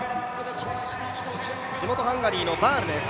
地元ハンガリーのバールです。